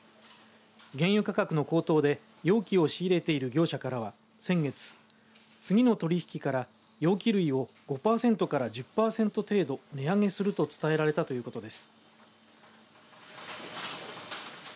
原油価格の高騰で容器を仕入れている業者からは、先月次の取り引きから容器類を５パーセントから１０パーセント程度値上げすると伝えられたということです。